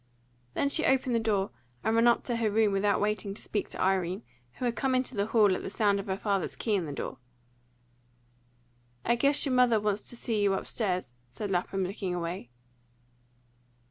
Then she opened the door, and ran up to her room without waiting to speak to Irene, who had come into the hall at the sound of her father's key in the door. "I guess your mother wants to see you upstairs," said Lapham, looking away.